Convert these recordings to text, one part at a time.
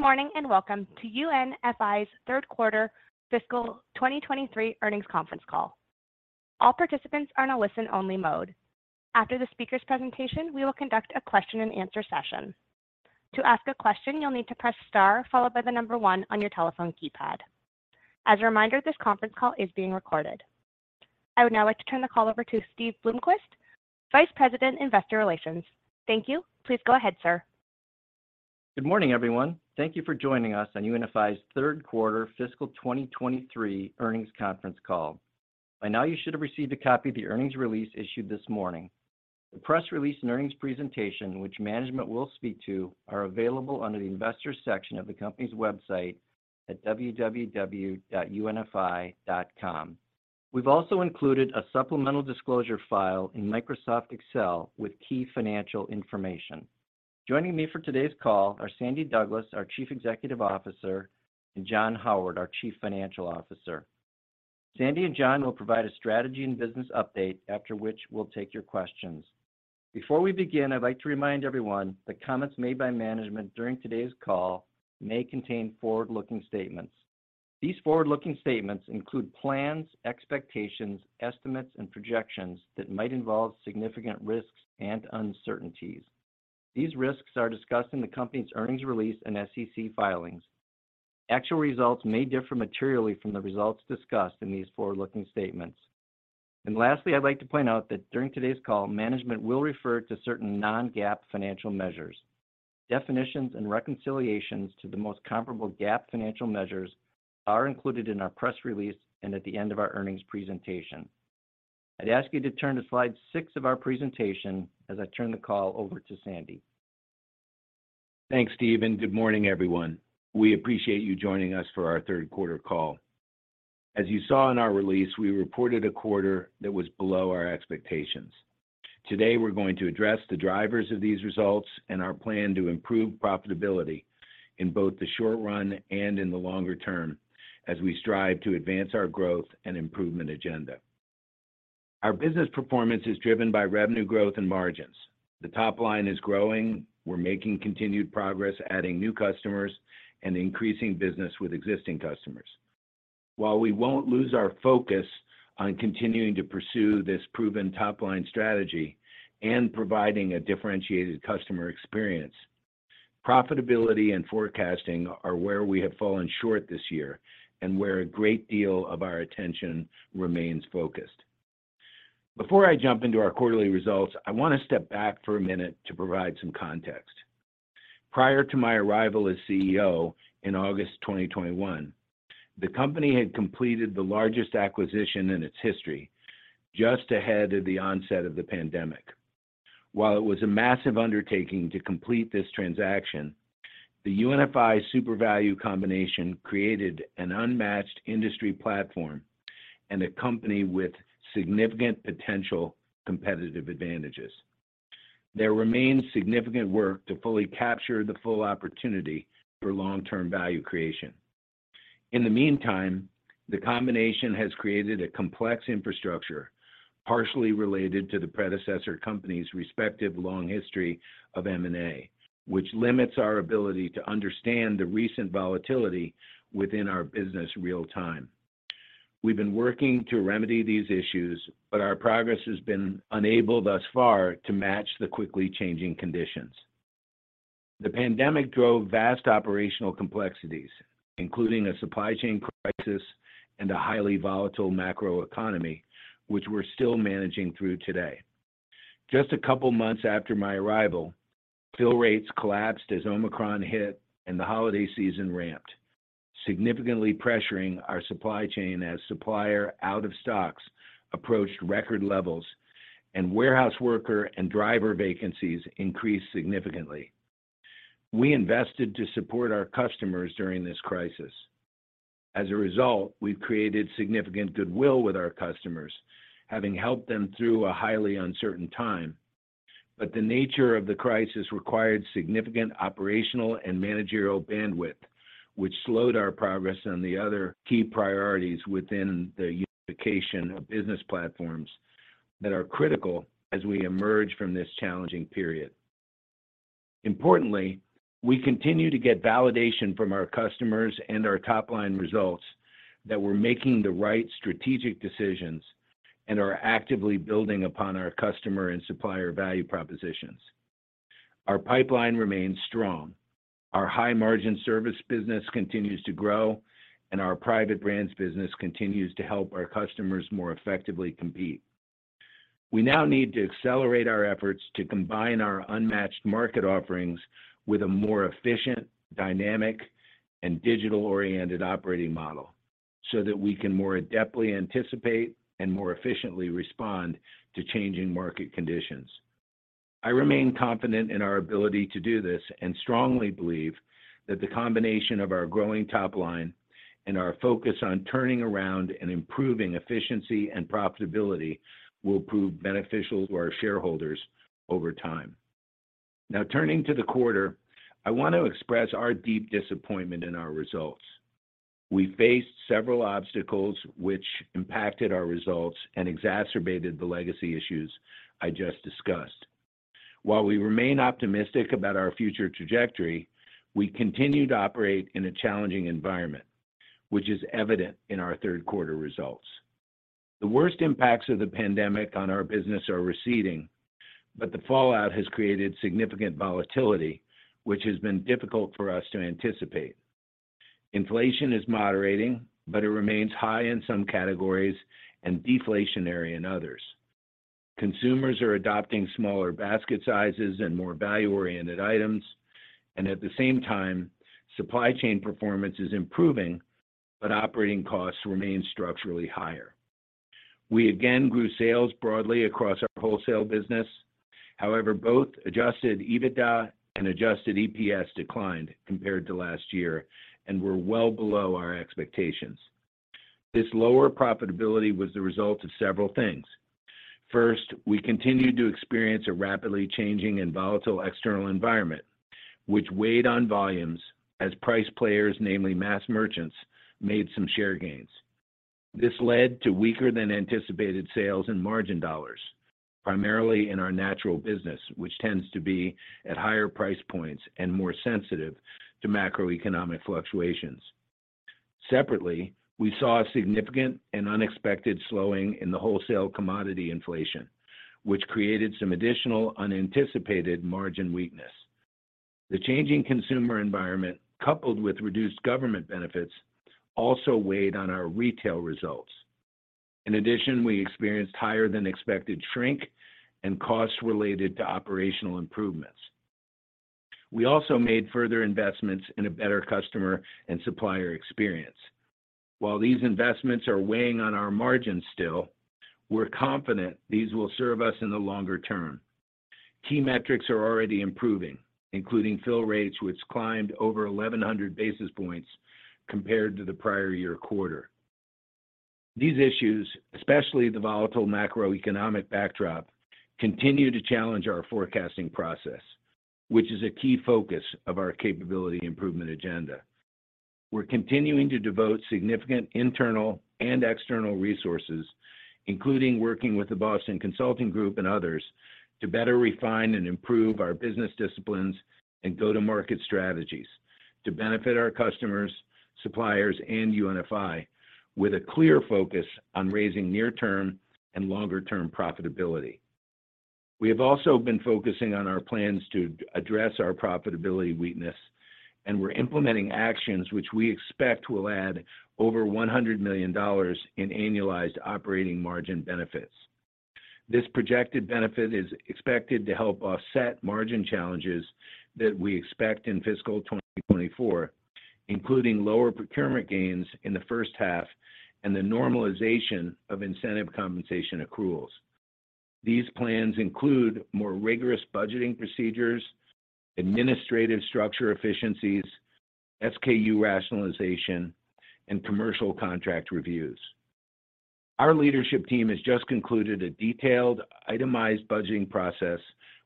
Good morning, welcome to UNFI's third quarter fiscal 2023 earnings conference call. All participants are in a listen-only mode. After the speaker's presentation, we will conduct a question-and-answer session. To ask a question, you'll need to press star, followed by the number one on your telephone keypad. As a reminder, this conference call is being recorded. I would now like to turn the call over to Steve Bloomquist, Vice President, Investor Relations. Thank you. Please go ahead, sir. Good morning, everyone. Thank you for joining us on UNFI's third quarter fiscal 2023 earnings conference call. By now, you should have received a copy of the earnings release issued this morning. The press release and earnings presentation, which management will speak to, are available under the Investors section of the company's website at www.unfi.com. We've also included a supplemental disclosure file in Microsoft Excel with key financial information. Joining me for today's call are Sandy Douglas, our Chief Executive Officer, and John Howard, our Chief Financial Officer. Sandy and John will provide a strategy and business update, after which we'll take your questions. Before we begin, I'd like to remind everyone that comments made by management during today's call may contain forward-looking statements. These forward-looking statements include plans, expectations, estimates, and projections that might involve significant risks and uncertainties. These risks are discussed in the company's earnings release and SEC filings. Actual results may differ materially from the results discussed in these forward-looking statements. Lastly, I'd like to point out that during today's call, management will refer to certain non-GAAP financial measures. Definitions and reconciliations to the most comparable GAAP financial measures are included in our press release and at the end of our earnings presentation. I'd ask you to turn to slide 6 of our presentation as I turn the call over to Sandy. Thanks, Steve, and good morning, everyone. We appreciate you joining us for our third quarter call. As you saw in our release, we reported a quarter that was below our expectations. Today, we're going to address the drivers of these results and our plan to improve profitability in both the short run and in the longer term as we strive to advance our growth and improvement agenda. Our business performance is driven by revenue growth and margins. The top line is growing. We're making continued progress, adding new customers and increasing business with existing customers. While we won't lose our focus on continuing to pursue this proven top-line strategy and providing a differentiated customer experience, profitability and forecasting are where we have fallen short this year and where a great deal of our attention remains focused. Before I jump into our quarterly results, I want to step back for a minute to provide some context. Prior to my arrival as CEO in August 2021, the company had completed the largest acquisition in its history, just ahead of the onset of the pandemic. While it was a massive undertaking to complete this transaction, the UNFI SUPERVALU combination created an unmatched industry platform and a company with significant potential competitive advantages. There remains significant work to fully capture the full opportunity for long-term value creation. In the meantime, the combination has created a complex infrastructure, partially related to the predecessor companies' respective long history of M&A, which limits our ability to understand the recent volatility within our business real time. We've been working to remedy these issues, but our progress has been unable thus far to match the quickly changing conditions. The pandemic drove vast operational complexities, including a supply chain crisis and a highly volatile macroeconomy, which we're still managing through today. Just a couple of months after my arrival, bill rates collapsed as Omicron hit and the holiday season ramped, significantly pressuring our supply chain as supplier out-of-stocks approached record levels and warehouse worker and driver vacancies increased significantly. We invested to support our customers during this crisis. As a result, we've created significant goodwill with our customers, having helped them through a highly uncertain time. The nature of the crisis required significant operational and managerial bandwidth, which slowed our progress on the other key priorities within the unification of business platforms that are critical as we emerge from this challenging period. Importantly, we continue to get validation from our customers and our top-line results that we're making the right strategic decisions and are actively building upon our customer and supplier value propositions. Our pipeline remains strong. Our high-margin service business continues to grow, and our private brands business continues to help our customers more effectively compete. We now need to accelerate our efforts to combine our unmatched market offerings with a more efficient, dynamic, and digital-oriented operating model so that we can more adeptly anticipate and more efficiently respond to changing market conditions. I remain confident in our ability to do this and strongly believe that the combination of our growing top line and our focus on turning around and improving efficiency and profitability will prove beneficial to our shareholders over time. Now, turning to the quarter, I want to express our deep disappointment in our results. We faced several obstacles which impacted our results and exacerbated the legacy issues I just discussed. While we remain optimistic about our future trajectory, we continue to operate in a challenging environment, which is evident in our third quarter results. The worst impacts of the pandemic on our business are receding, but the fallout has created significant volatility, which has been difficult for us to anticipate. Inflation is moderating, but it remains high in some categories and deflationary in others. Consumers are adopting smaller basket sizes and more value-oriented items, and at the same time, supply chain performance is improving, but operating costs remain structurally higher. We again grew sales broadly across our wholesale business. However, both adjusted EBITDA and adjusted EPS declined compared to last year and were well below our expectations. This lower profitability was the result of several things. First, we continued to experience a rapidly changing and volatile external environment, which weighed on volumes as price players, namely mass merchants, made some share gains. This led to weaker than anticipated sales and margin dollars, primarily in our natural business, which tends to be at higher price points and more sensitive to macroeconomic fluctuations. Separately, we saw a significant and unexpected slowing in the wholesale commodity inflation, which created some additional unanticipated margin weakness. The changing consumer environment, coupled with reduced government benefits, also weighed on our retail results. In addition, we experienced higher than expected shrink and costs related to operational improvements. We also made further investments in a better customer and supplier experience. While these investments are weighing on our margins still, we're confident these will serve us in the longer term. Key metrics are already improving, including fill rates, which climbed over 1,100 basis points compared to the prior year quarter. These issues, especially the volatile macroeconomic backdrop, continue to challenge our forecasting process, which is a key focus of our capability improvement agenda. We're continuing to devote significant internal and external resources, including working with the Boston Consulting Group and others, to better refine and improve our business disciplines and go-to-market strategies to benefit our customers, suppliers, and UNFI, with a clear focus on raising near-term and longer-term profitability. We have also been focusing on our plans to address our profitability weakness. We're implementing actions which we expect will add over $100 million in annualized operating margin benefits. This projected benefit is expected to help offset margin challenges that we expect in fiscal 2024, including lower procurement gains in the first half and the normalization of incentive compensation accruals. These plans include more rigorous budgeting procedures, administrative structure efficiencies, SKU rationalization, and commercial contract reviews. Our leadership team has just concluded a detailed, itemized budgeting process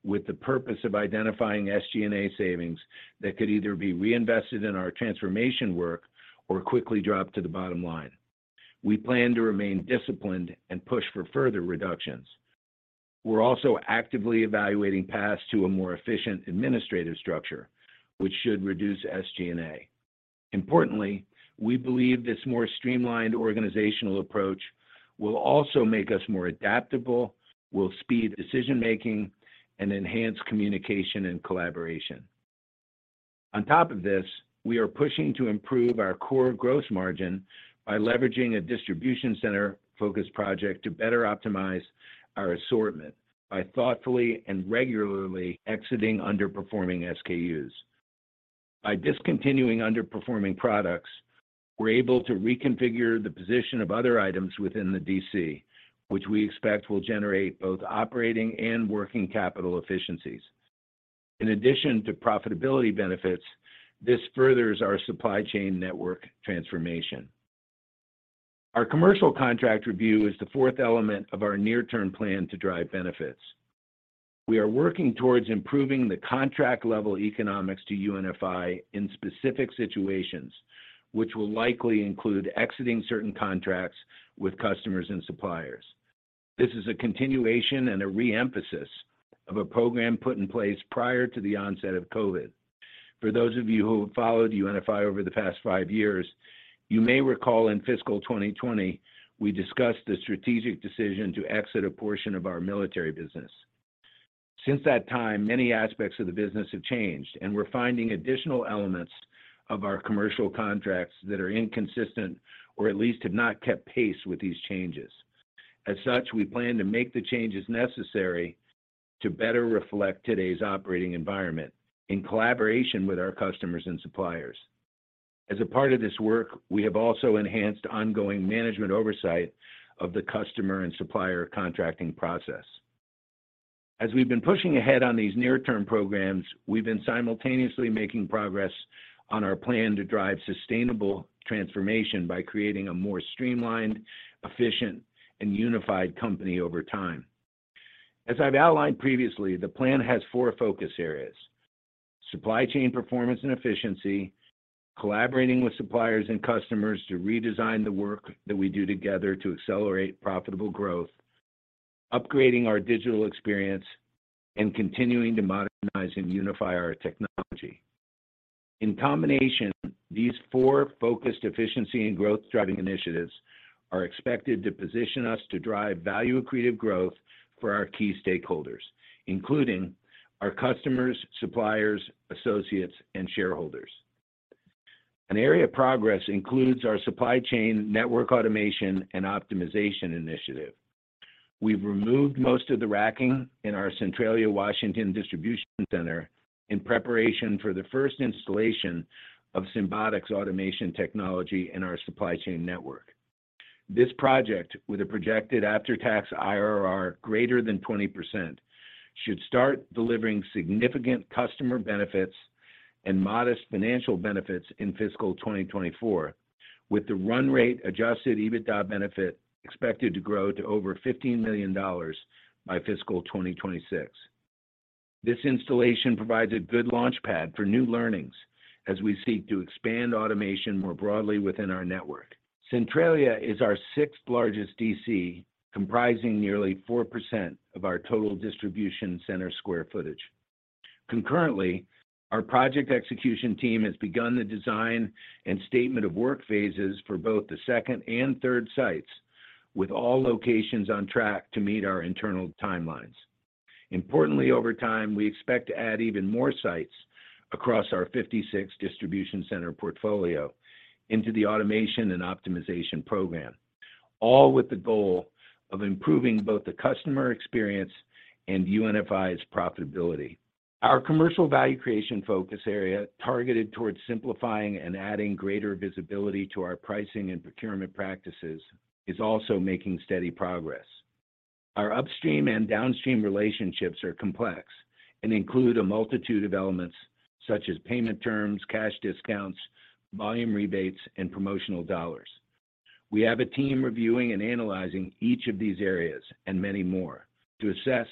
with the purpose of identifying SG&A savings that could either be reinvested in our transformation work or quickly drop to the bottom line. We plan to remain disciplined and push for further reductions. We're also actively evaluating paths to a more efficient administrative structure, which should reduce SG&A. Importantly, we believe this more streamlined organizational approach will also make us more adaptable, will speed decision-making, and enhance communication and collaboration. On top of this, we are pushing to improve our core gross margin by leveraging a distribution center focus project to better optimize our assortment by thoughtfully and regularly exiting underperforming SKUs. By discontinuing underperforming products, we're able to reconfigure the position of other items within the DC, which we expect will generate both operating and working capital efficiencies. In addition to profitability benefits, this furthers our supply chain network transformation. Our commercial contract review is the fourth element of our near-term plan to drive benefits. We are working towards improving the contract level economics to UNFI in specific situations, which will likely include exiting certain contracts with customers and suppliers. This is a continuation and a re-emphasis of a program put in place prior to the onset of COVID. For those of you who have followed UNFI over the past five years, you may recall in fiscal 2020, we discussed the strategic decision to exit a portion of our military business. Since that time, many aspects of the business have changed, and we're finding additional elements of our commercial contracts that are inconsistent or at least have not kept pace with these changes. As such, we plan to make the changes necessary to better reflect today's operating environment in collaboration with our customers and suppliers. As a part of this work, we have also enhanced ongoing management oversight of the customer and supplier contracting process. As we've been pushing ahead on these near-term programs, we've been simultaneously making progress on our plan to drive sustainable transformation by creating a more streamlined, efficient, and unified company over time.... As I've outlined previously, the plan has four focus areas: supply chain performance and efficiency, collaborating with suppliers and customers to redesign the work that we do together to accelerate profitable growth, upgrading our digital experience, and continuing to modernize and unify our technology. In combination, these four focused efficiency and growth-driving initiatives are expected to position us to drive value-accretive growth for our key stakeholders, including our customers, suppliers, associates, and shareholders. An area of progress includes our supply chain network automation and optimization initiative. We've removed most of the racking in our Centralia, Washington, distribution center in preparation for the first installation of Symbotic's automation technology in our supply chain network. This project, with a projected after-tax IRR greater than 20%, should start delivering significant customer benefits and modest financial benefits in fiscal 2024, with the run rate adjusted EBITDA benefit expected to grow to over $15 million by fiscal 2026. This installation provides a good launchpad for new learnings as we seek to expand automation more broadly within our network. Centralia is our sixth largest DC, comprising nearly 4% of our total distribution center square footage. Concurrently, our project execution team has begun the design and statement of work phases for both the second and third sites, with all locations on track to meet our internal timelines. Importantly, over time, we expect to add even more sites across our 56 distribution center portfolio into the automation and optimization program, all with the goal of improving both the customer experience and UNFI's profitability. Our commercial value creation focus area, targeted towards simplifying and adding greater visibility to our pricing and procurement practices, is also making steady progress. Our upstream and downstream relationships are complex and include a multitude of elements such as payment terms, cash discounts, volume rebates, and promotional dollars. We have a team reviewing and analyzing each of these areas and many more to assess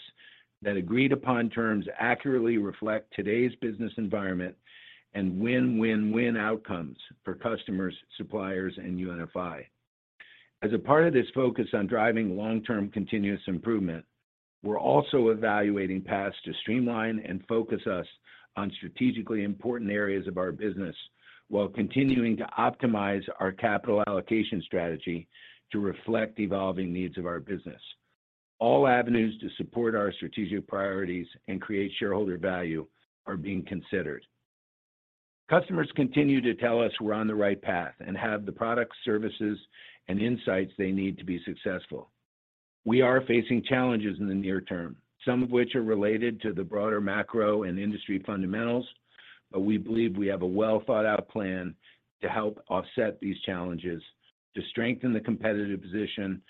that agreed-upon terms accurately reflect today's business environment and win-win-win outcomes for customers, suppliers, and UNFI. As a part of this focus on driving long-term continuous improvement, we're also evaluating paths to streamline and focus us on strategically important areas of our business, while continuing to optimize our capital allocation strategy to reflect the evolving needs of our business. All avenues to support our strategic priorities and create shareholder value are being considered. Customers continue to tell us we're on the right path and have the products, services, and insights they need to be successful. We are facing challenges in the near term, some of which are related to the broader macro and industry fundamentals, but we believe we have a well-thought-out plan to help offset these challenges, to strengthen the competitive position of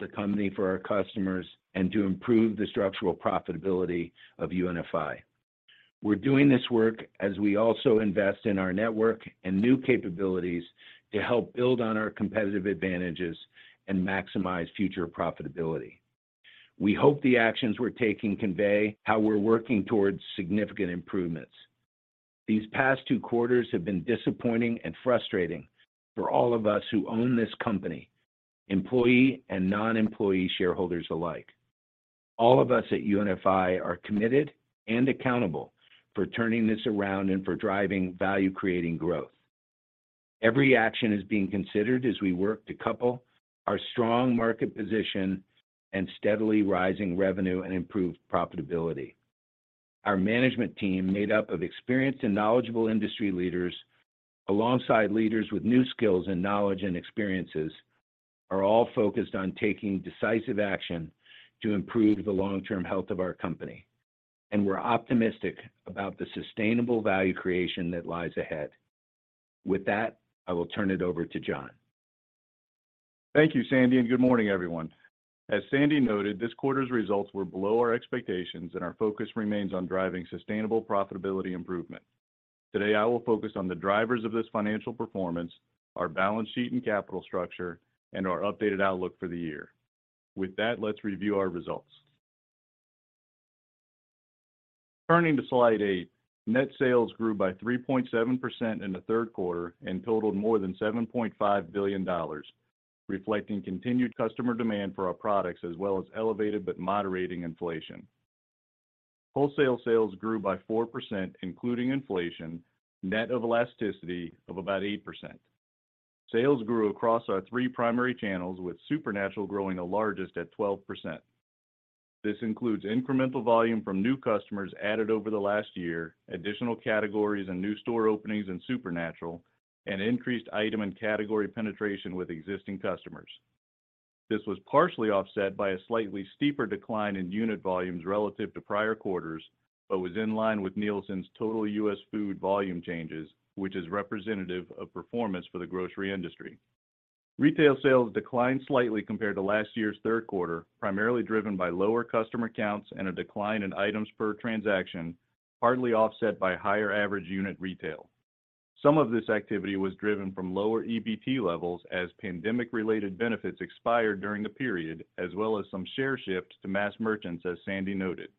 the company for our customers, and to improve the structural profitability of UNFI. We're doing this work as we also invest in our network and new capabilities to help build on our competitive advantages and maximize future profitability. We hope the actions we're taking convey how we're working towards significant improvements. These past two quarters have been disappointing and frustrating for all of us who own this company, employee and non-employee shareholders alike. All of us at UNFI are committed and accountable for turning this around and for driving value, creating growth. Every action is being considered as we work to couple our strong market position and steadily rising revenue and improved profitability. Our management team, made up of experienced and knowledgeable industry leaders, alongside leaders with new skills and knowledge and experiences, are all focused on taking decisive action to improve the long-term health of our company. We're optimistic about the sustainable value creation that lies ahead. With that, I will turn it over to John. Thank you, Sandy. Good morning, everyone. As Sandy noted, this quarter's results were below our expectations, and our focus remains on driving sustainable profitability improvement. Today, I will focus on the drivers of this financial performance, our balance sheet and capital structure, and our updated outlook for the year. With that, let's review our results. Turning to slide eight, net sales grew by 3.7% in the third quarter and totaled more than $7.5 billion, reflecting continued customer demand for our products, as well as elevated but moderating inflation. Wholesale sales grew by 4%, including inflation, net of elasticity of about 8%. Sales grew across our three primary channels, with Supernatural growing the largest at 12%. This includes incremental volume from new customers added over the last year, additional categories and new store openings in Supernatural, and increased item and category penetration with existing customers. This was partially offset by a slightly steeper decline in unit volumes relative to prior quarters, but was in line with NielsenIQ's total US food volume changes, which is representative of performance for the grocery industry. Retail sales declined slightly compared to last year's third quarter, primarily driven by lower customer counts and a decline in items per transaction, partly offset by higher average unit retail. Some of this activity was driven from lower EBT levels as pandemic-related benefits expired during the period, as well as some share shifts to mass merchants, as Sandy noted.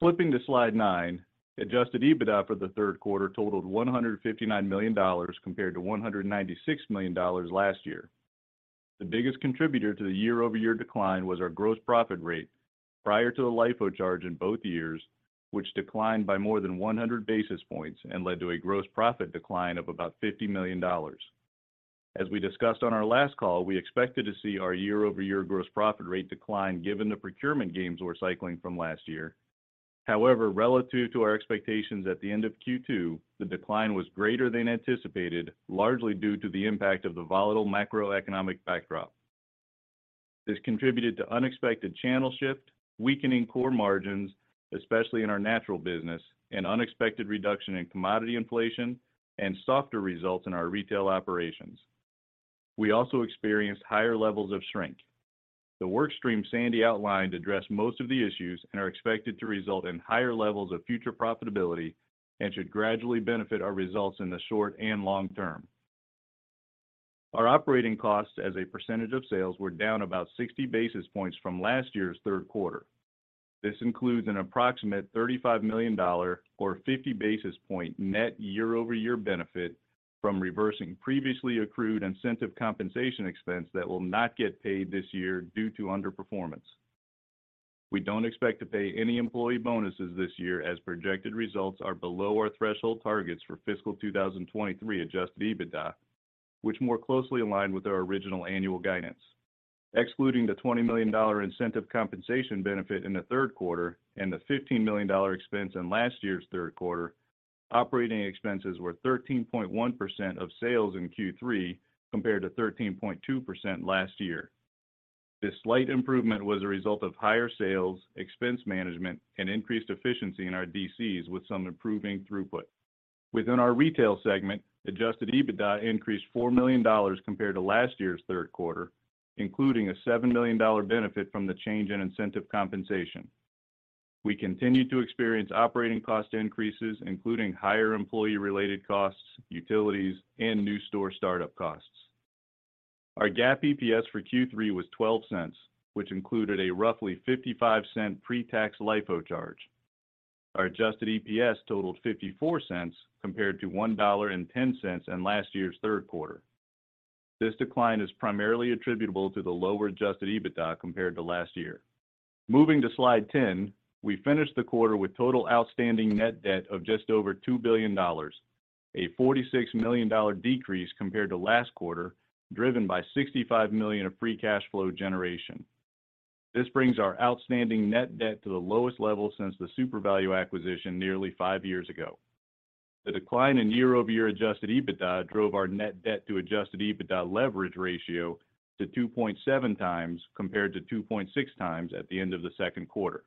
Flipping to slide nine, adjusted EBITDA for the third quarter totaled $159 million, compared to $196 million last year. The biggest contributor to the year-over-year decline was our gross profit rate prior to the LIFO charge in both years, which declined by more than 100 basis points and led to a gross profit decline of about $50 million. As we discussed on our last call, we expected to see our year-over-year gross profit rate decline, given the procurement gains we're cycling from last year. Relative to our expectations at the end of Q2, the decline was greater than anticipated, largely due to the impact of the volatile macroeconomic backdrop. This contributed to unexpected channel shift, weakening core margins, especially in our natural business, an unexpected reduction in commodity inflation, and softer results in our retail operations. We also experienced higher levels of shrink. The workstream Sandy outlined addressed most of the issues and are expected to result in higher levels of future profitability and should gradually benefit our results in the short and long term. Our operating costs as a percentage of sales were down about 60 basis points from last year's third quarter. This includes an approximate $35 million or 50 basis points net year-over-year benefit from reversing previously accrued incentive compensation expense that will not get paid this year due to underperformance. We don't expect to pay any employee bonuses this year, as projected results are below our threshold targets for fiscal 2023 adjusted EBITDA, which more closely aligned with our original annual guidance. Excluding the $20 million incentive compensation benefit in the third quarter and the $15 million expense in last year's third quarter, operating expenses were 13.1% of sales in Q3, compared to 13.2% last year. This slight improvement was a result of higher sales, expense management, and increased efficiency in our DCs, with some improving throughput. Within our retail segment, adjusted EBITDA increased $4 million compared to last year's third quarter, including a $7 million benefit from the change in incentive compensation. We continued to experience operating cost increases, including higher employee-related costs, utilities, and new store startup costs. Our GAAP EPS for Q3 was $0.12, which included a roughly $0.55 pre-tax LIFO charge. Our adjusted EPS totaled $0.54, compared to $1.10 in last year's third quarter. This decline is primarily attributable to the lower adjusted EBITDA compared to last year. Moving to slide 10, we finished the quarter with total outstanding net debt of just over $2 billion, a $46 million decrease compared to last quarter, driven by $65 million of free cash flow generation. This brings our outstanding net debt to the lowest level since the SUPERVALU acquisition nearly five years ago. The decline in year-over-year adjusted EBITDA drove our net debt to adjusted EBITDA leverage ratio to 2.7x, compared to 2.6x at the end of the second quarter.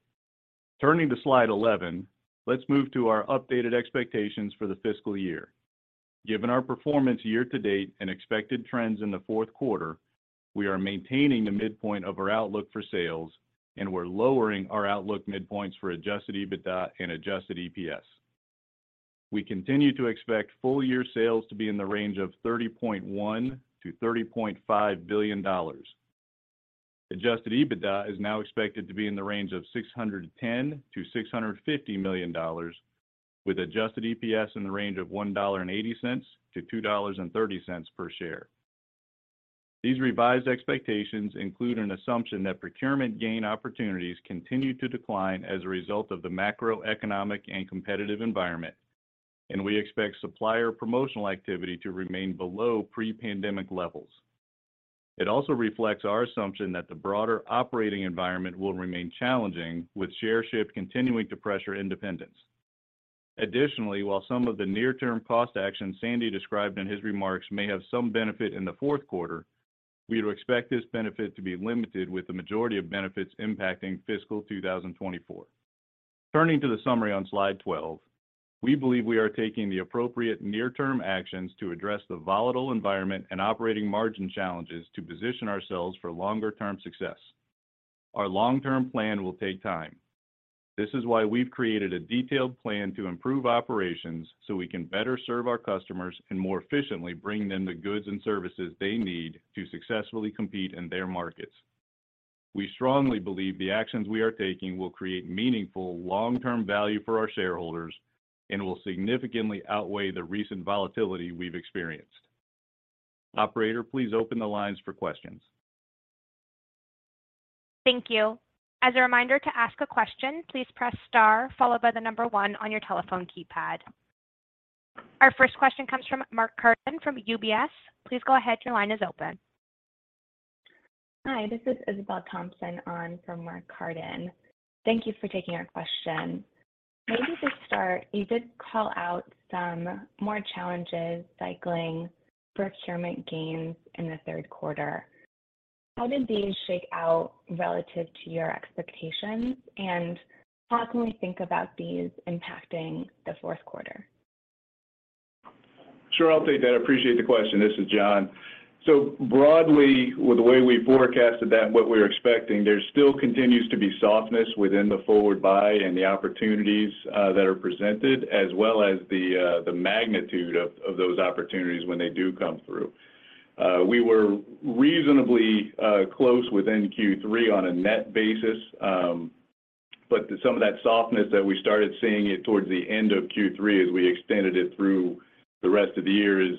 Turning to slide 11, let's move to our updated expectations for the fiscal year. Given our performance year to date and expected trends in the fourth quarter, we are maintaining the midpoint of our outlook for sales, and we're lowering our outlook midpoints for adjusted EBITDA and adjusted EPS. We continue to expect full year sales to be in the range of $30.1 billion-$30.5 billion. Adjusted EBITDA is now expected to be in the range of $610 million-$650 million, with adjusted EPS in the range of $1.80-$2.30 per share. These revised expectations include an assumption that procurement gain opportunities continue to decline as a result of the macroeconomic and competitive environment. We expect supplier promotional activity to remain below pre-pandemic levels. It also reflects our assumption that the broader operating environment will remain challenging, with share shift continuing to pressure independence. Additionally, while some of the near term cost actions Sandy described in his remarks may have some benefit in the fourth quarter, we would expect this benefit to be limited, with the majority of benefits impacting fiscal 2024. Turning to the summary on slide 12, we believe we are taking the appropriate near term actions to address the volatile environment and operating margin challenges to position ourselves for longer term success. Our long-term plan will take time. This is why we've created a detailed plan to improve operations, so we can better serve our customers and more efficiently bring them the goods and services they need to successfully compete in their markets. We strongly believe the actions we are taking will create meaningful, long-term value for our shareholders and will significantly outweigh the recent volatility we've experienced. Operator, please open the lines for questions. Thank you. As a reminder to ask a question, please press star followed by the number one on your telephone keypad. Our first question comes from Mark Carden from UBS. Please go ahead. Your line is open. Hi, this is Isabel Thompson on from Mark Carden. Thank you for taking our question. Maybe to start, you did call out some more challenges cycling procurement gains in the third quarter. How did these shake out relative to your expectations, and how can we think about these impacting the fourth quarter? Sure, I'll take that. I appreciate the question. This is John. Broadly, with the way we forecasted that and what we're expecting, there still continues to be softness within the forward buy and the opportunities that are presented, as well as the magnitude of those opportunities when they do come through. We were reasonably close within Q3 on a net basis. Some of that softness that we started seeing it towards the end of Q3 as we extended it through the rest of the year is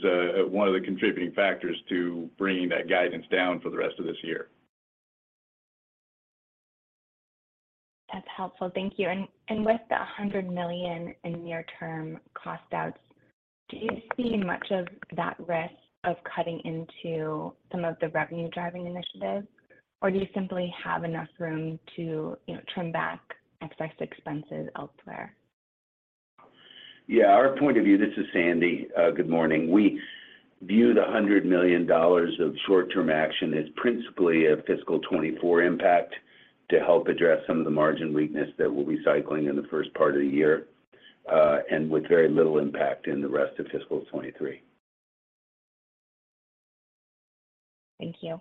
one of the contributing factors to bringing that guidance down for the rest of this year. That's helpful. Thank you. And with the $100 million in near-term cost outs, do you see much of that risk of cutting into some of the revenue-driving initiatives? Or do you simply have enough room to, you know, trim back excess expenses elsewhere? Yeah, This is Sandy. Good morning. We view the $100 million of short-term action as principally a fiscal 24 impact to help address some of the margin weakness that we'll be cycling in the first part of the year, and with very little impact in the rest of fiscal 23. Thank you.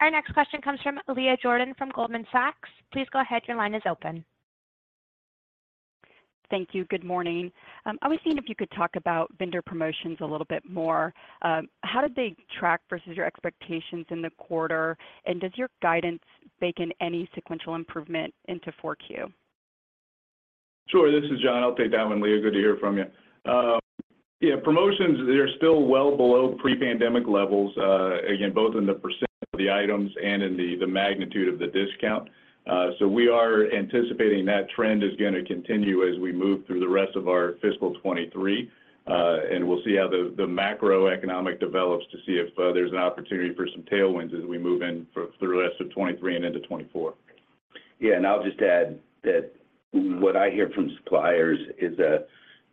Our next question comes from Leah Jordan from Goldman Sachs. Please go ahead. Your line is open. Thank you. Good morning. I was seeing if you could talk about vendor promotions a little bit more. How did they track versus your expectations in the quarter? Does your guidance bake in any sequential improvement into 4Q? Sure. This is John. I'll take that one, Leah. Good to hear from you. Yeah, promotions, they're still well below pre-pandemic levels, again, both in the % of the items and in the magnitude of the discount. We are anticipating that trend is gonna continue as we move through the rest of our fiscal 2023. We'll see how the macroeconomic develops to see if there's an opportunity for some tailwinds as we move through the rest of 2023 and into 2024. Yeah, I'll just add that what I hear from suppliers is a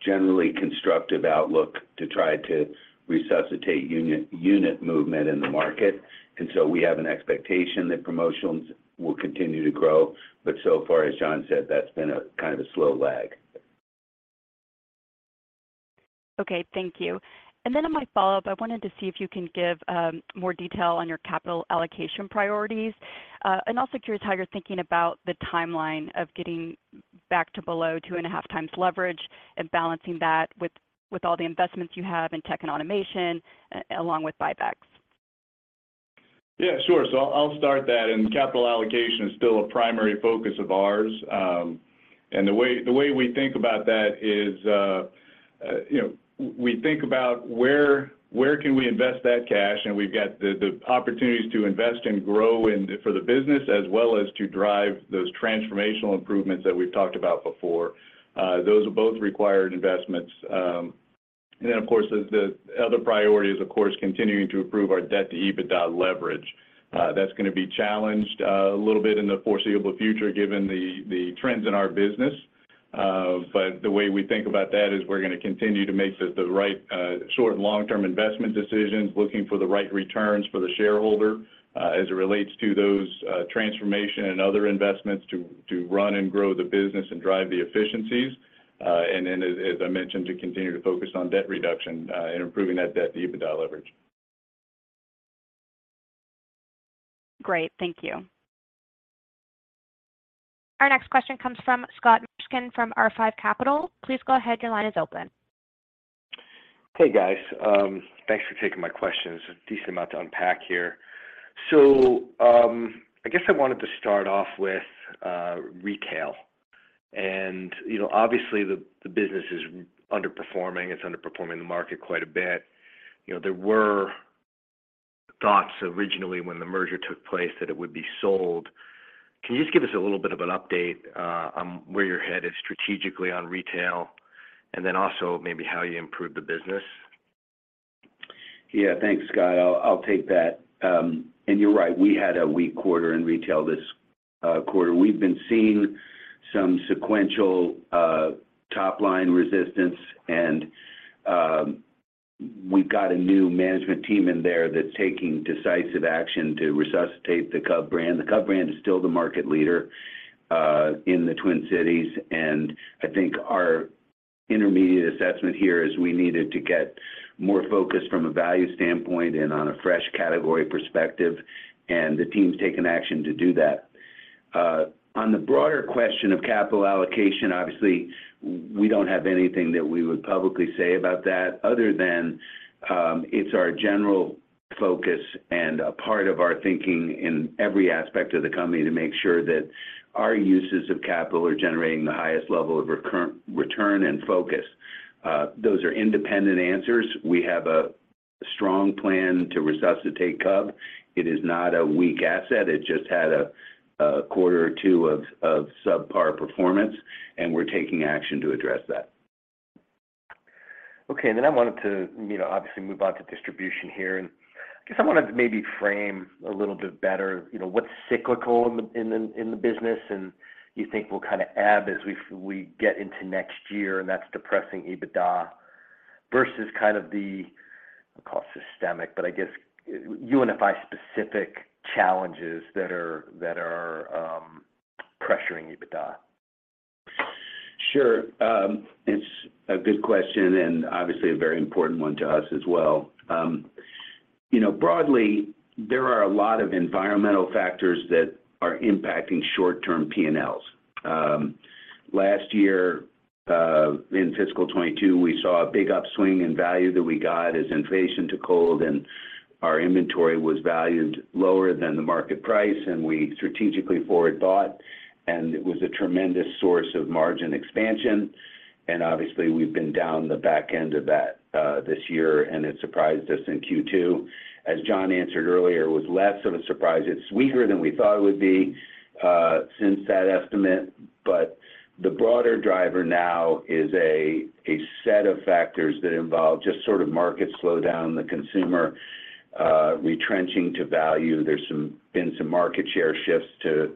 generally constructive outlook to try to resuscitate unit movement in the market. We have an expectation that promotions will continue to grow. So far, as John said, that's been a kind of a slow lag. Okay. Thank you. On my follow-up, I wanted to see if you can give more detail on your capital allocation priorities. Also curious how you're thinking about the timeline of getting back to below 2.5x leverage and balancing that with all the investments you have in tech and automation along with buybacks. Yeah, sure. I'll start that, and capital allocation is still a primary focus of ours. The way we think about that is, you know, we think about where can we invest that cash, and we've got the opportunities to invest and grow and for the business, as well as to drive those transformational improvements that we've talked about before. Those both require investments. Then, of course, the other priority is, of course, continuing to improve our debt to EBITDA leverage. That's gonna be challenged a little bit in the foreseeable future, given the trends in our business. The way we think about that is we're gonna continue to make the right short- and long-term investment decisions, looking for the right returns for the shareholder, as it relates to those transformation and other investments to run and grow the business and drive the efficiencies. As I mentioned, to continue to focus on debt reduction and improving that debt to EBITDA leverage. Great. Thank you. Our next question comes from Scott Mushkin from R5 Capital. Please go ahead. Your line is open. Hey, guys. Thanks for taking my questions. A decent amount to unpack here. I guess I wanted to start off with retail. You know, obviously, the business is underperforming. It's underperforming the market quite a bit. You know, there were thoughts originally when the merger took place that it would be sold. Can you just give us a little bit of an update on where your head is strategically on retail, and then also maybe how you improve the business? Yeah, thanks, Scott. I'll take that. You're right, we had a weak quarter in retail this quarter. We've been seeing some sequential, top-line resistance, and we've got a new management team in there that's taking decisive action to resuscitate the Cub brand. The Cub brand is still the market leader in the Twin Cities, and I think our intermediate assessment here is we needed to get more focus from a value standpoint and on a fresh category perspective, and the team's taken action to do that. On the broader question of capital allocation, obviously, we don't have anything that we would publicly say about that other than, it's our general focus and a part of our thinking in every aspect of the company to make sure that our uses of capital are generating the highest level of return and focus. Those are independent answers. We have a strong plan to resuscitate Cub. It is not a weak asset. It just had a quarter or two of subpar performance, and we're taking action to address that. I wanted to, you know, obviously, move on to distribution here, and I guess I wanted to maybe frame a little bit better, you know, what's cyclical in the business, and you think will kind of ebb as we get into next year, and that's depressing EBITDA versus kind of the, I'll call it systemic, but I guess UNFI specific challenges that are pressuring EBITDA? Sure. It's a good question, and obviously a very important one to us as well. You know, broadly, there are a lot of environmental factors that are impacting short-term P&Ls. Last year, in fiscal 2022, we saw a big upswing in value that we got as inflation took hold, and our inventory was valued lower than the market price, and we strategically forward bought, and it was a tremendous source of margin expansion. Obviously, we've been down the back end of that this year, and it surprised us in Q2. As John answered earlier, it was less of a surprise. It's weaker than we thought it would be since that estimate, but the broader driver now is a set of factors that involve just sort of market slowdown, the consumer, retrenching to value. There's been some market share shifts to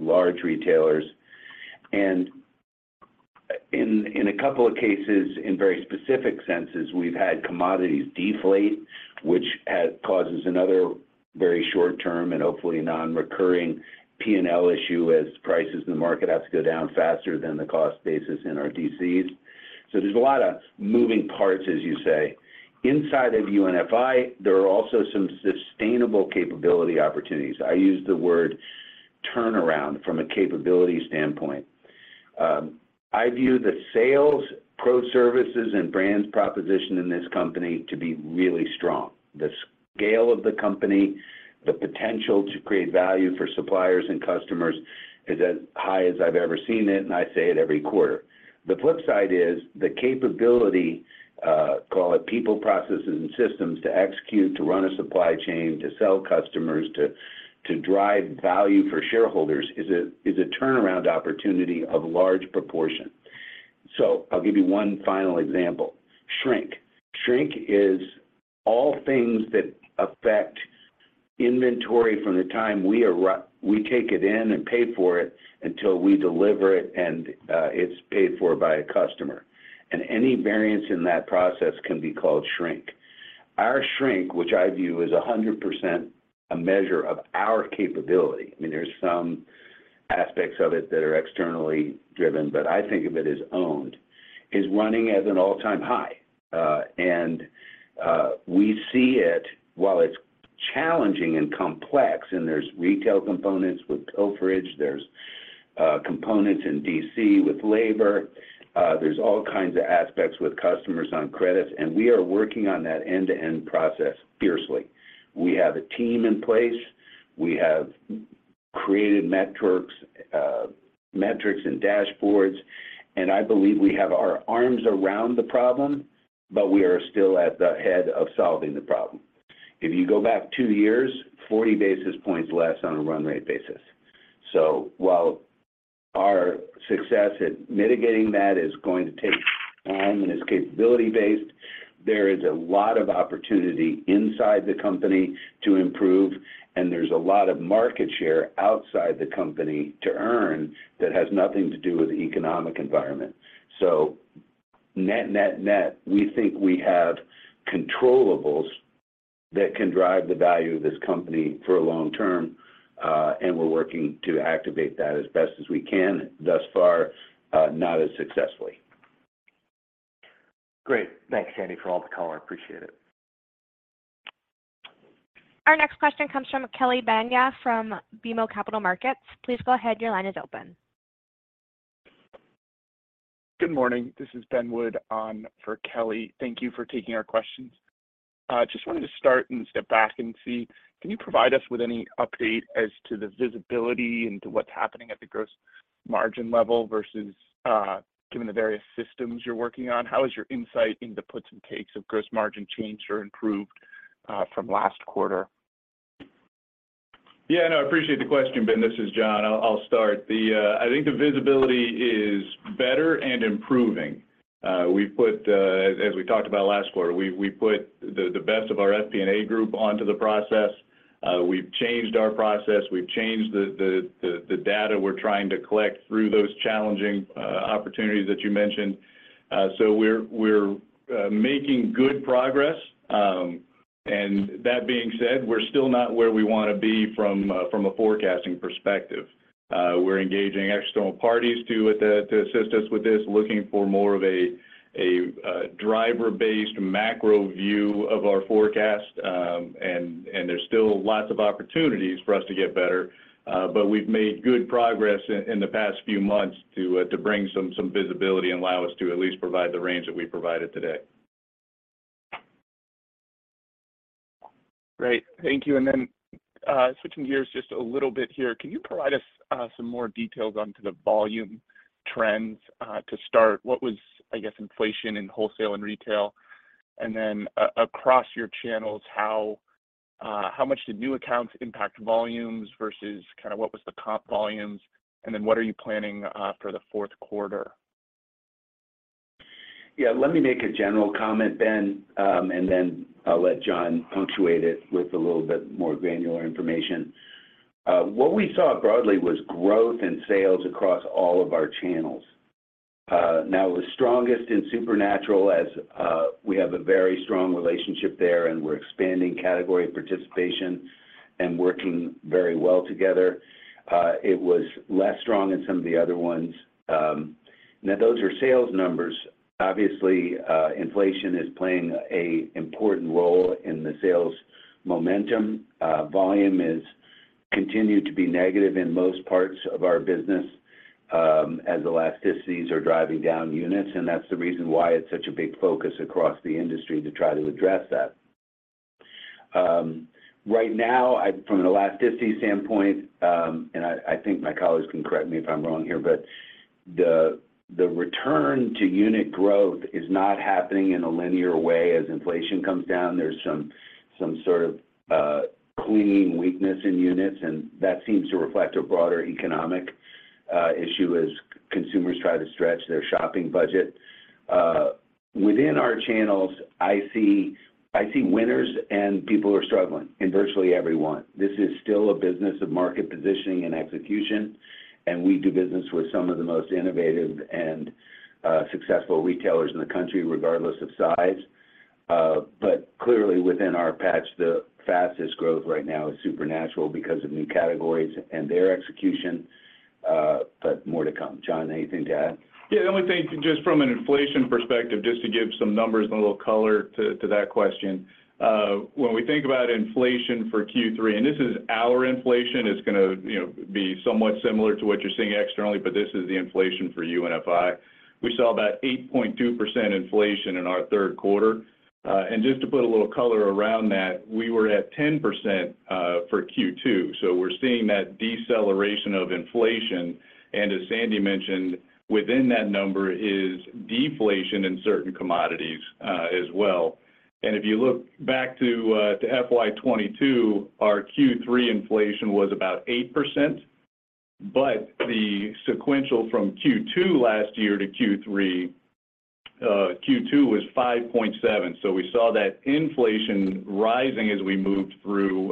large retailers. In a couple of cases, in very specific senses, we've had commodities deflate, which causes another very short term and hopefully non-recurring P&L issue, as prices in the market have to go down faster than the cost basis in our DCs. There's a lot of moving parts, as you say. Inside of UNFI, there are also some sustainable capability opportunities. I use the word turnaround from a capability standpoint. I view the sales, pro services, and brands proposition in this company to be really strong. The scale of the company, the potential to create value for suppliers and customers is as high as I've ever seen it, and I say it every quarter. The flip side is the capability, call it people, processes, and systems to execute, to run a supply chain, to sell customers, to drive value for shareholders is a turnaround opportunity of large proportion. I'll give you one final example: shrink. Shrink is all things that affect inventory from the time we take it in and pay for it until we deliver it and it's paid for by a customer, and any variance in that process can be called shrink. Our shrink, which I view as a 100% a measure of our capability, I mean, there's some aspects of it that are externally driven, but I think of it as owned, is running at an all-time high. We see it, while it's challenging and complex, and there's retail components with cold fridge, there's components in DC with labor, there's all kinds of aspects with customers on credits, and we are working on that end-to-end process fiercely. We have a team in place. We have created metrics and dashboards, and I believe we have our arms around the problem, but we are still at the head of solving the problem. If you go back two years, 40 basis points less on a run rate basis. While our success at mitigating that is going to take time and is capability-based, there is a lot of opportunity inside the company to improve, and there's a lot of market share outside the company to earn that has nothing to do with the economic environment. Net, net, we think we have controllables that can drive the value of this company for a long term, and we're working to activate that as best as we can, thus far, not as successfully. Great. Thanks, Sandy, for all the color. I appreciate it. Our next question comes from Kelly Banya from BMO Capital Markets. Please go ahead. Your line is open. Good morning. This is Ben Wood on for Kelly. Thank you for taking our questions. Just wanted to start and step back and see, can you provide us with any update as to the visibility into what's happening at the gross margin level versus, given the various systems you're working on, how is your insight into puts and takes of gross margin changed or improved from last quarter? Yeah, no, I appreciate the question, Ben. This is John. I'll start. I think the visibility is better and improving. We've put, as we talked about last quarter, we put the best of our FP&A group onto the process. We've changed our process. We've changed the data we're trying to collect through those challenging opportunities that you mentioned. So we're making good progress. And that being said, we're still not where we want to be from a forecasting perspective. We're engaging external parties to assist us with this, looking for more of a driver-based macro view of our forecast. There's still lots of opportunities for us to get better, but we've made good progress in the past few months to bring some visibility and allow us to at least provide the range that we provided today. Great. Thank you. Then, switching gears just a little bit here, can you provide us some more details onto the volume trends? To start, what was, I guess, inflation in wholesale and retail? Then across your channels, how much did new accounts impact volumes versus kind of what was the comp volumes? Then what are you planning for the fourth quarter? Yeah, let me make a general comment, Ben, and then I'll let John punctuate it with a little bit more granular information. What we saw broadly was growth in sales across all of our channels. It was strongest in Supernatural as we have a very strong relationship there, and we're expanding category participation and working very well together. It was less strong in some of the other ones. Now those are sales numbers. Obviously, inflation is playing a important role in the sales momentum. Volume is continued to be negative in most parts of our business, as elasticities are driving down units, and that's the reason why it's such a big focus across the industry to try to address that. Right now, from an elasticity standpoint, and I think my colleagues can correct me if I'm wrong here, but the return to unit growth is not happening in a linear way as inflation comes down. There's some sort of cleaning weakness in units, and that seems to reflect a broader economic issue as consumers try to stretch their shopping budget. Within our channels, I see winners and people who are struggling in virtually everyone. This is still a business of market positioning and execution, and we do business with some of the most innovative and successful retailers in the country, regardless of size. Clearly within our patch, the fastest growth right now is Supernatural because of new categories and their execution, but more to come. John, anything to add? Yeah, the only thing just from an inflation perspective, just to give some numbers and a little color to that question. When we think about inflation for Q3, and this is our inflation, it's gonna, you know, be somewhat similar to what you're seeing externally, but this is the inflation for UNFI. We saw about 8.2% inflation in our third quarter. And just to put a little color around that, we were at 10% for Q2. We're seeing that deceleration of inflation, and as Sandy mentioned, within that number is deflation in certain commodities as well. If you look back to FY 2022, our Q3 inflation was about 8%, but the sequential from Q2 last year to Q3, Q2 was 5.7%. We saw that inflation rising as we moved through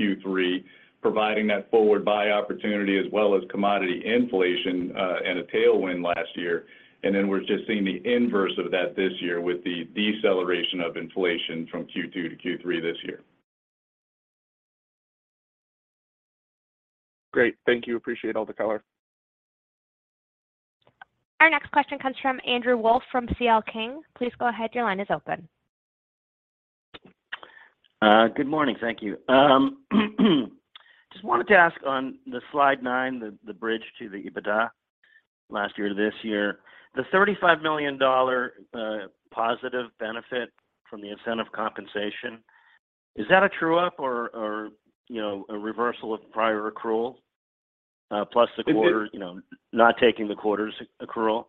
Q3, providing that forward buy opportunity as well as commodity inflation, and a tailwind last year. We're just seeing the inverse of that this year with the deceleration of inflation from Q2 to Q3 this year. Great. Thank you. Appreciate all the color. Our next question comes from Andrew Wolf, from C.L. King. Please go ahead, your line is open. Good morning. Thank you. Just wanted to ask on the slide nine, the bridge to the EBITDA last year to this year, the $35 million, positive benefit from the incentive compensation, is that a true up or, you know, a reversal of prior accrual, plus the quarter- It is- You know, not taking the quarter's accrual?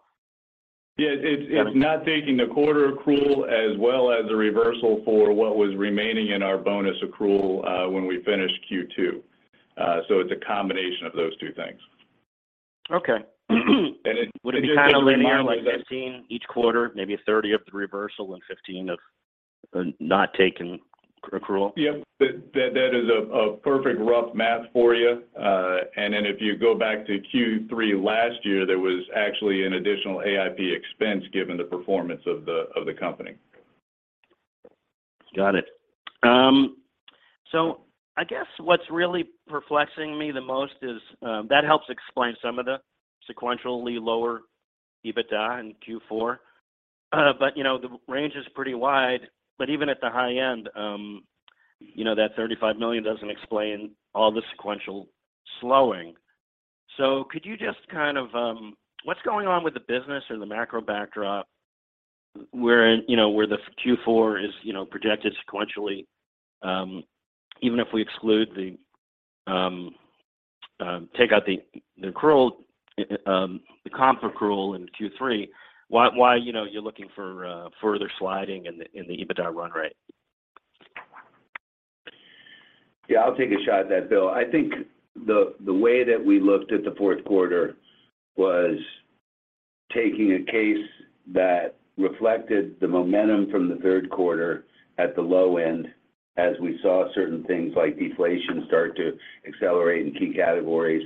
Yeah. Okay. It's not taking the quarter accrual as well as a reversal for what was remaining in our bonus accrual, when we finished Q2. It's a combination of those two things. Okay. And it- Would it be linear, like $15 each quarter, maybe $30 of the reversal and $15 of not taking accrual? Yep. That is a perfect rough math for you. Then if you go back to Q3 last year, there was actually an additional AIP expense given the performance of the company. Got it. I guess what's really perplexing me the most is that helps explain some of the sequentially lower EBITDA in Q4. But, you know, the range is pretty wide, but even at the high end, you know, that $35 million doesn't explain all the sequential slowing. Could you just kind of, what's going on with the business or the macro backdrop where, you know, where the Q4 is, you know, projected sequentially, even if we exclude the, take out the accrual, the comp accrual in Q3, why, you know, you're looking for, further sliding in the, in the EBITDA run rate? Yeah, I'll take a shot at that. I think the way that we looked at the fourth quarter was taking a case that reflected the momentum from the third quarter at the low end, as we saw certain things like deflation start to accelerate in key categories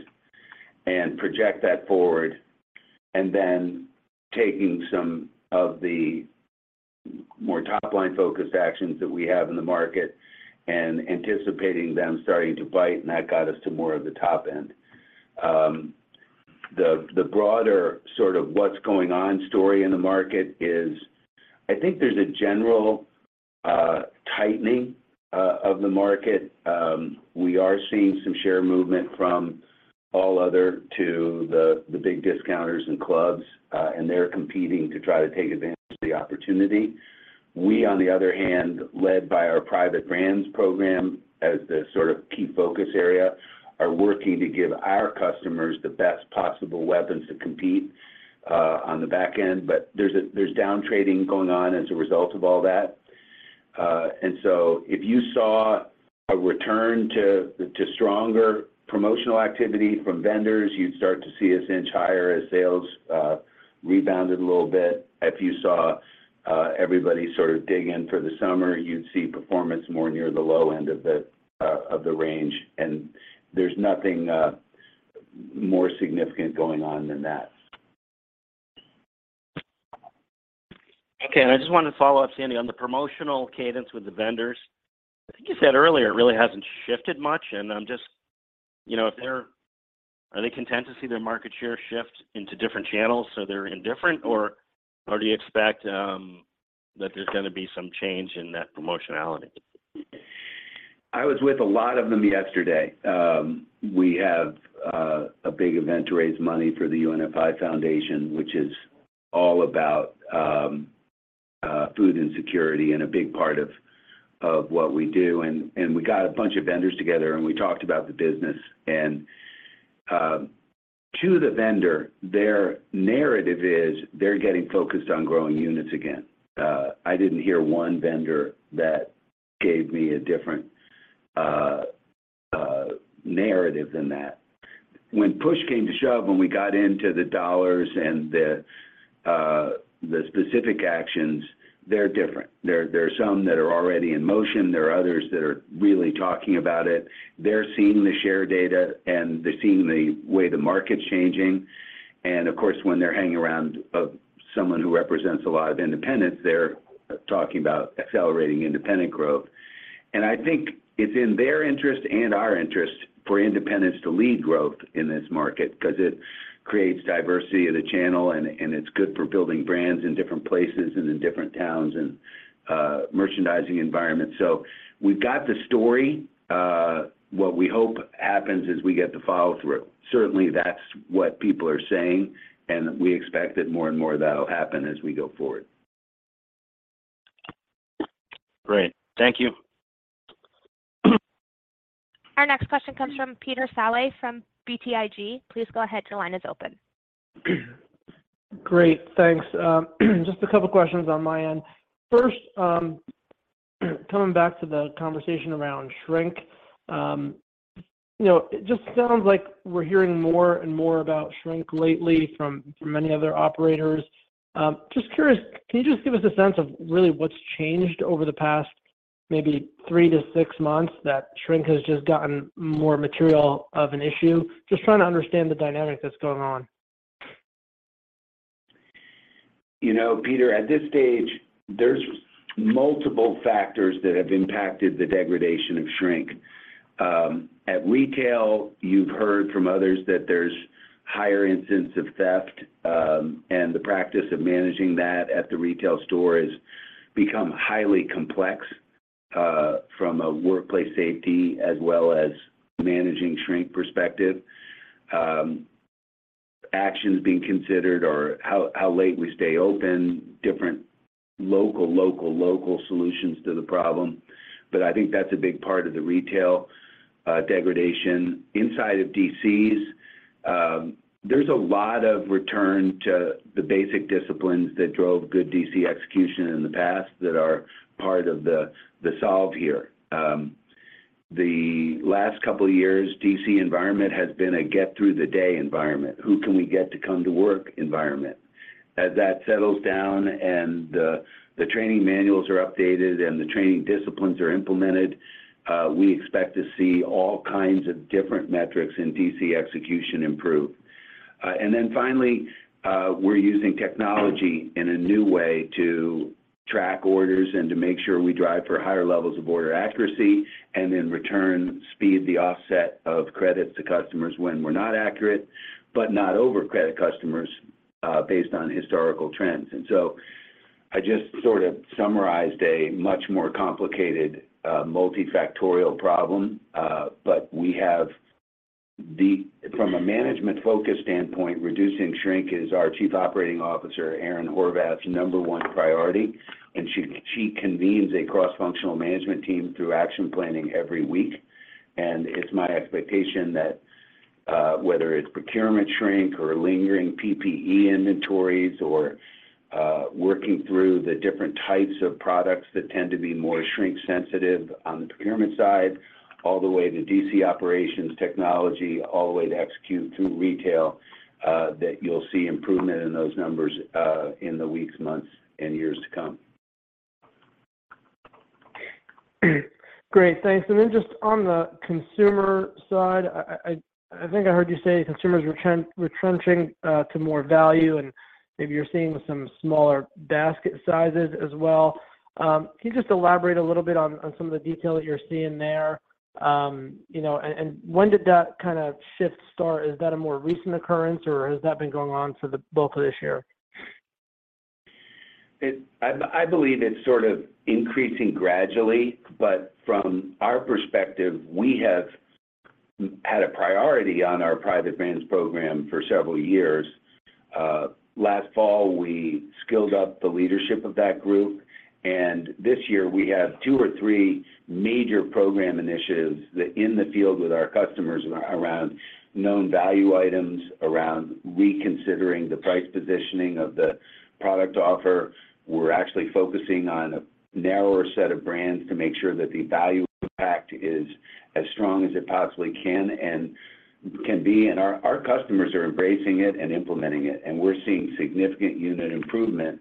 and project that forward, and then taking some of the more top-line-focused actions that we have in the market and anticipating them starting to bite, and that got us to more of the top end. The broader sort of what's going on story in the market is, I think there's a general tightening of the market. We are seeing some share movement from all other to the big discounters and clubs, and they're competing to try to take advantage of the opportunity. We, on the other hand, led by our private brands program as the sort of key focus area, are working to give our customers the best possible weapons to compete on the back end. There's down trading going on as a result of all that. If you saw a return to stronger promotional activity from vendors, you'd start to see us inch higher as sales rebounded a little bit. If you saw everybody sort of dig in for the summer, you'd see performance more near the low end of the range, and there's nothing more significant going on than that. Okay, I just wanted to follow up, Sandy, on the promotional cadence with the vendors. I think you said earlier, it really hasn't shifted much. I'm just, you know, are they content to see their market share shift into different channels, so they're indifferent? Do you expect that there's going to be some change in that promotionality? I was with a lot of them yesterday. We have a big event to raise money for the UNFI Foundation, which is all about food insecurity and a big part of what we do. We got a bunch of vendors together, and we talked about the business. To the vendor, their narrative is they're getting focused on growing units again. I didn't hear one vendor that gave me a different narrative than that. When push came to shove, when we got into the dollars and the specific actions, they're different. There are some that are already in motion. There are others that are really talking about it. They're seeing the share data, and they're seeing the way the market's changing. Of course, when they're hanging around, someone who represents a lot of independents, they're talking about accelerating independent growth. I think it's in their interest and our interest for independents to lead growth in this market because it creates diversity of the channel, and it's good for building brands in different places and in different towns and, merchandising environments. We've got the story. What we hope happens is we get the follow-through. Certainly, that's what people are saying, and we expect that more and more of that will happen as we go forward. Great. Thank you. Our next question comes from Peter Saleh, from BTIG. Please go ahead. Your line is open. Great, thanks. Just a couple questions on my end. First, coming back to the conversation around shrink. You know, it just sounds like we're hearing more and more about shrink lately from many other operators. Just curious, can you just give us a sense of really what's changed over the past, maybe three to six months, that shrink has just gotten more material of an issue? Just trying to understand the dynamic that's going on. You know, Peter, at this stage, there's multiple factors that have impacted the degradation of shrink. At retail, you've heard from others that there's higher instance of theft, and the practice of managing that at the retail store has become highly complex, from a workplace safety as well as managing shrink perspective. Actions being considered or how late we stay open, different local solutions to the problem. I think that's a big part of the retail degradation. Inside of DCs, there's a lot of return to the basic disciplines that drove good DC execution in the past that are part of the solve here. The last couple of years, DC environment has been a get-through-the-day environment. Who can we get to come to work environment? As that settles down and the training manuals are updated and the training disciplines are implemented, we expect to see all kinds of different metrics in DC execution improve. Finally, we're using technology in a new way to track orders and to make sure we drive for higher levels of order accuracy, and in return, speed the offset of credits to customers when we're not accurate, but not over-credit customers, based on historical trends. I just sort of summarized a much more complicated, multifactorial problem, From a management focus standpoint, reducing shrink is our Chief Operating Officer, Erin Horvath, number one priority, and she convenes a cross-functional management team through action planning every week. It's my expectation that, whether it's procurement shrink or lingering PPE inventories or, working through the different types of products that tend to be more shrink sensitive on the procurement side, all the way to DC operations, technology, all the way to execute through retail, that you'll see improvement in those numbers, in the weeks, months, and years to come. Great, thanks. Then just on the consumer side, I think I heard you say consumers retrenching to more value, and maybe you're seeing some smaller basket sizes as well. Can you just elaborate a little bit on some of the detail that you're seeing there? You know, and when did that kind of shift start? Is that a more recent occurrence, or has that been going on for the bulk of this year? I believe it's sort of increasing gradually, but from our perspective, we have had a priority on our private brands program for several years. Last fall, we skilled up the leadership of that group, and this year we have two or three major program initiatives that in the field with our customers around known value items, around reconsidering the price positioning of the product offer. We're actually focusing on a narrower set of brands to make sure that the value impact is as strong as it possibly can and can be. Our customers are embracing it and implementing it, and we're seeing significant unit improvement.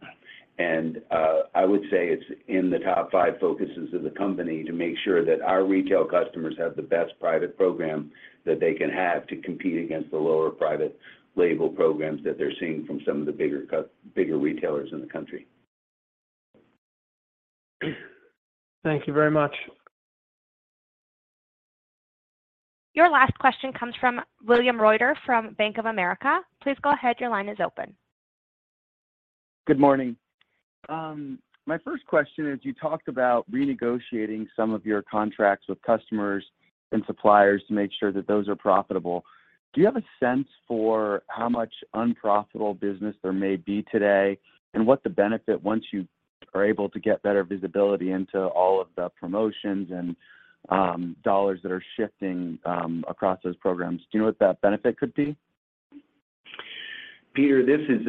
I would say it's in the top five focuses of the company to make sure that our retail customers have the best private program that they can have to compete against the lower private label programs that they're seeing from some of the bigger retailers in the country. Thank you very much. Your last question comes from William Reuter from Bank of America. Please go ahead. Your line is open. Good morning. My first question is, you talked about renegotiating some of your contracts with customers and suppliers to make sure that those are profitable. Do you have a sense for how much unprofitable business there may be today, and what the benefit, once you are able to get better visibility into all of the promotions and dollars that are shifting across those programs? Do you know what that benefit could be? Peter, this is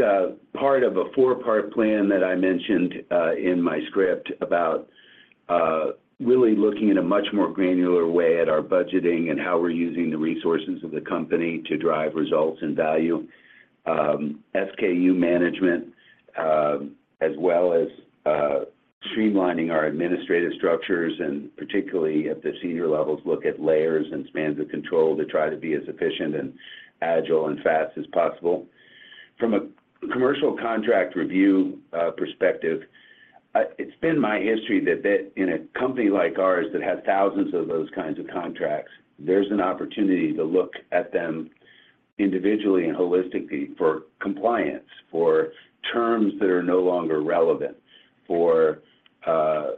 part of a four-part plan that I mentioned in my script about really looking in a much more granular way at our budgeting and how we're using the resources of the company to drive results and value. SKU management, as well as streamlining our administrative structures, and particularly at the senior levels, look at layers and spans of control to try to be as efficient and agile and fast as possible. From a commercial contract review, perspective, it's been my history that in a company like ours that has thousands of those kinds of contracts, there's an opportunity to look at them individually and holistically for compliance, for terms that are no longer relevant, for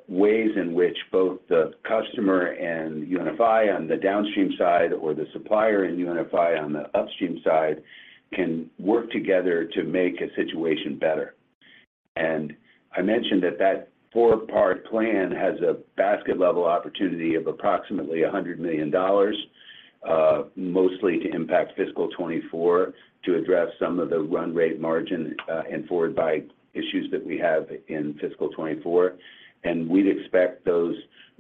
ways in which both the customer and UNFI on the downstream side or the supplier and UNFI on the upstream side, can work together to make a situation better. I mentioned that that four-part plan has a basket-level opportunity of approximately $100 million, mostly to impact fiscal 2024, to address some of the run rate margin, and forward by issues that we have in fiscal 2024. We'd expect those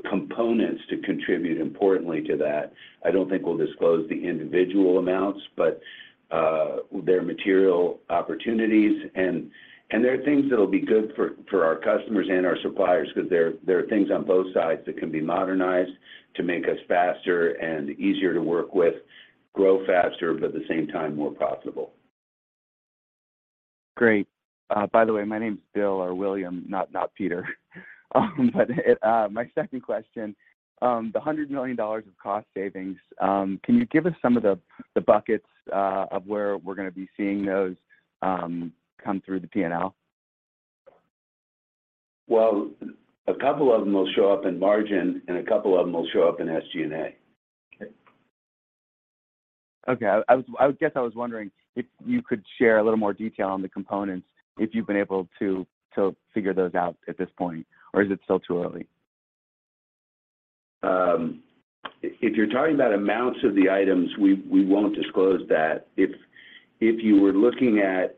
components to contribute importantly to that. I don't think we'll disclose the individual amounts, they're material opportunities and they're things that'll be good for our customers and our suppliers, 'cause there are things on both sides that can be modernized to make us faster and easier to work with, grow faster, at the same time, more profitable. Great. By the way, my name's Bill or William, not Peter. My second question, the $100 million of cost savings, can you give us some of the buckets of where we're gonna be seeing those come through the P&L? Well, a couple of them will show up in margin, and a couple of them will show up in SG&A. Okay. I was I guess I was wondering if you could share a little more detail on the components, if you've been able to figure those out at this point, or is it still too early? If you're talking about amounts of the items, we won't disclose that. If you were looking at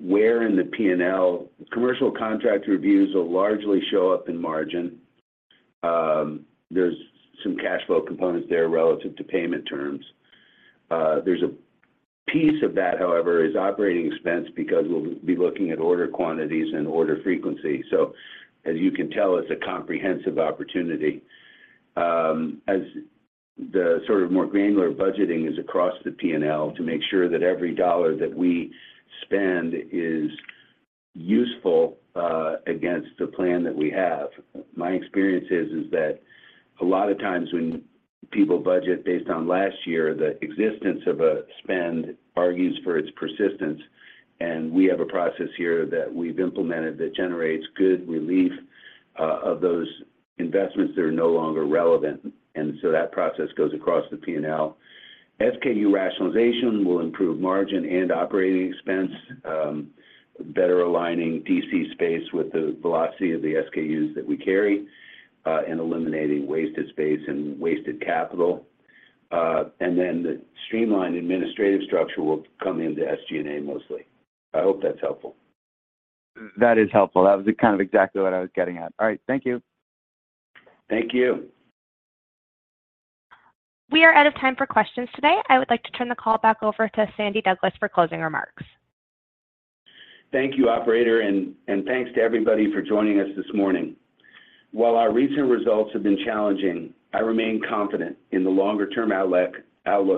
where in the P&L, commercial contract reviews will largely show up in margin. There's some cash flow components there relative to payment terms. There's a piece of that, however, is operating expense, because we'll be looking at order quantities and order frequency. As you can tell, it's a comprehensive opportunity. As the sort of more granular budgeting is across the P&L to make sure that every dollar that we spend is useful against the plan that we have. My experience is that a lot of times when people budget based on last year, the existence of a spend argues for its persistence, we have a process here that we've implemented that generates good relief of those investments that are no longer relevant, that process goes across the P&L. SKU rationalization will improve margin and operating expense, better aligning DC space with the velocity of the SKUs that we carry, and eliminating wasted space and wasted capital. The streamlined administrative structure will come into SG&A mostly. I hope that's helpful. That is helpful. That was kind of exactly what I was getting at. All right. Thank you. Thank you. We are out of time for questions today. I would like to turn the call back over to Sandy Douglas for closing remarks. Thank you, operator, and thanks to everybody for joining us this morning. While our recent results have been challenging, I remain confident in the longer-term outlook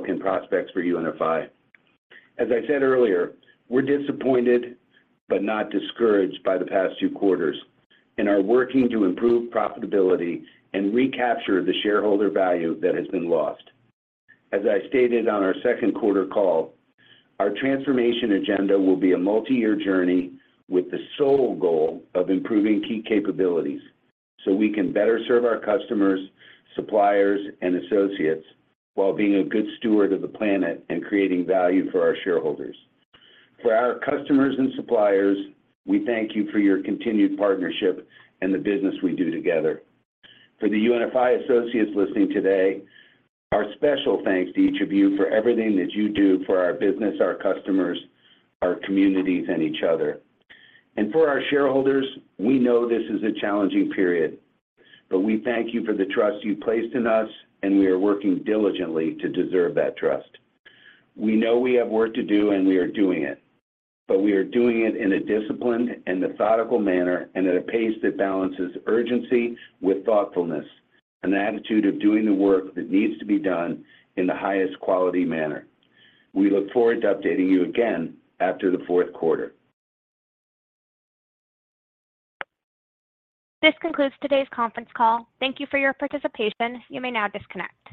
and prospects for UNFI. As I said earlier, we're disappointed but not discouraged by the past two quarters and are working to improve profitability and recapture the shareholder value that has been lost. As I stated on our second quarter call, our transformation agenda will be a multiyear journey with the sole goal of improving key capabilities, so we can better serve our customers, suppliers, and associates while being a good steward of the planet and creating value for our shareholders. For our customers and suppliers, we thank you for your continued partnership and the business we do together. For the UNFI associates listening today, our special thanks to each of you for everything that you do for our business, our customers, our communities, and each other. For our shareholders, we know this is a challenging period, but we thank you for the trust you've placed in us, and we are working diligently to deserve that trust. We know we have work to do, and we are doing it, but we are doing it in a disciplined and methodical manner and at a pace that balances urgency with thoughtfulness, an attitude of doing the work that needs to be done in the highest quality manner. We look forward to updating you again after the fourth quarter. This concludes today's conference call. Thank you for your participation. You may now disconnect.